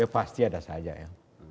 pasti ada saja ya